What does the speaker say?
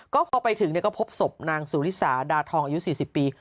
ก็พอไปถึงก็พบศพนางสุริสาดาทองอายุ๔๐ปี